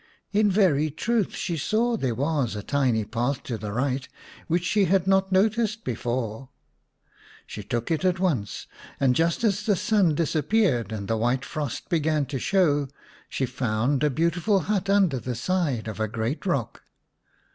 In very truth she saw there was a tiny pathway to the right, which she had not noticed before. She 69 The Three Little Eggs vn took it at once, and just as the sun disappeared and the white frost began to show, she found a beautiful hut under the side of a great rock.